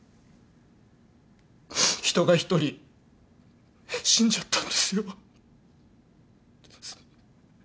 人が１人死んじゃったんですよ。